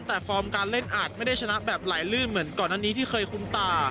แต่ฟอร์มการเล่นอาจไม่ได้ชนะแบบไหลลื่นเหมือนก่อนอันนี้ที่เคยคุ้นตา